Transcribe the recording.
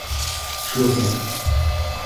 Schluss jetzt!